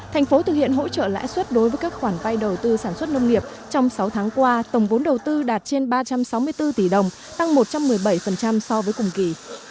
thành phố thực hiện hỗ trợ lãi suất đối với các khoản vay đầu tư sản xuất nông nghiệp trong sáu tháng qua tổng vốn đầu tư đạt trên ba trăm sáu mươi bốn tỷ đồng tăng một trăm một mươi bảy so với cùng kỳ